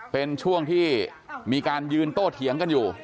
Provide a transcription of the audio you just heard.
เป็นช่วงที่มีการยืนโต้เถียงกันอยู่